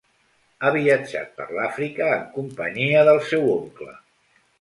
Ha viatjat per l'Àfrica en companyia del seu oncle.